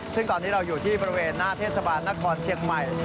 ซึ่งตอนนี้เราอยู่ที่บริเวณหน้าเทศบาลนครเชียงใหม่